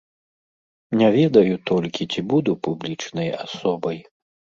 Не ведаю толькі, ці буду публічнай асобай.